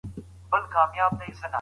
یامان